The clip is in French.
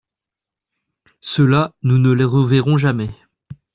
Ceux-là, nous ne les reverrons jamais.